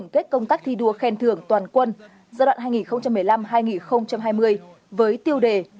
kết công tác thi đua khen thưởng toàn quân giai đoạn hai nghìn một mươi năm hai nghìn hai mươi với tiêu đề